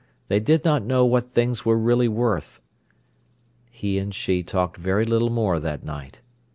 They did not know what things were really worth. He and she talked very little more that night.